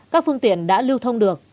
các phương tiện đã lưu thông được